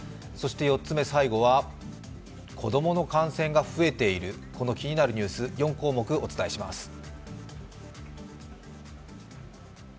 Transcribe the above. そして４つ目最後は子供の感染が増えている、気になるニュース４項目、お伝えします。